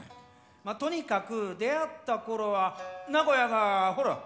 まあとにかく出会ったころは名古屋がほら。